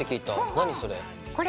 何それ？